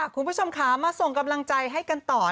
คุณผู้ชมค่ะมาส่งกำลังใจให้กันต่อ